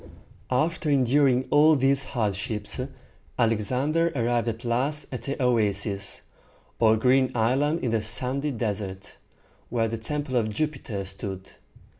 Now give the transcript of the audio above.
After enduring all these hardships, Alexander arrived at last at the oasis, or green island in the sandy desert, where the Temple of Jupiter stood.